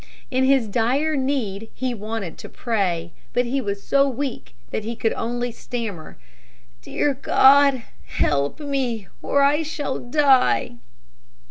In his dire need he wanted to pray, but he was so weak that he could only stammer, "Dear God, help me, or I shall die!"